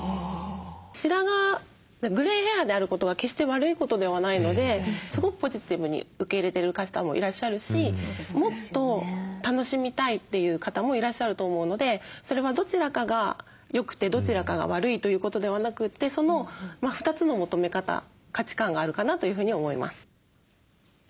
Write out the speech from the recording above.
白髪グレイヘアであることは決して悪いことではないのですごくポジティブに受け入れてる方もいらっしゃるしもっと楽しみたいという方もいらっしゃると思うのでそれはどちらかが良くてどちらかが悪いということではなくてその２つの求め方価値観があるかなというふうに思います。